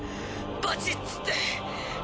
バチッつって。